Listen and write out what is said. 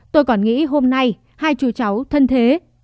tôi còn nghĩ hôm nay hai chú cháu thân thế